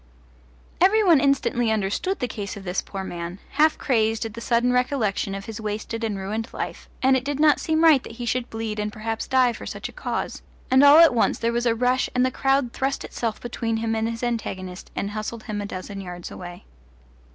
Every one instantly understood the case of this poor man, half crazed at the sudden recollection of his wasted and ruined life, and it did not seem right that he should bleed and perhaps die for such a cause, and all at once there was a rush and the crowd thrust itself between him and his antagonist and hustled him a dozen yards away.